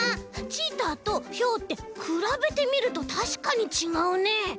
チーターとヒョウってくらべてみるとたしかにちがうね。